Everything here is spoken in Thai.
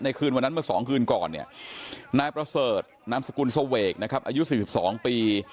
คืนวันนั้นเมื่อ๒คืนก่อนเนี่ยนายประเสริฐนามสกุลเสวกนะครับอายุ๔๒ปี